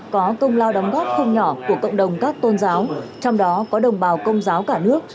có công lao đóng góp không nhỏ của cộng đồng các tôn giáo trong đó có đồng bào công giáo cả nước